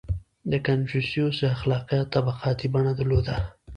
• د کنفوسیوس اخلاقیات طبقاتي بڼه درلوده.